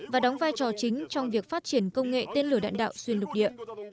và đóng vai trò chính trong việc phát triển công nghệ tên lửa đạn đạo xuyên lục địa